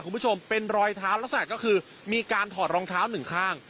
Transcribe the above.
คุณผู้ชมเป็นรอยเท้าลักษณะก็คือมีการถอดรองเท้าหนึ่งข้าง